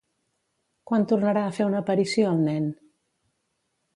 Quan tornarà a fer una aparició el nen?